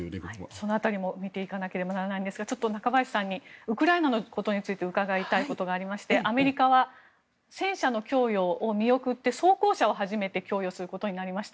その辺りも見ていかなければならないんですがちょっと中林さんにウクライナのことについて伺いたいことがありましてアメリカは戦車の供与を見送って装甲車を供与することになりました。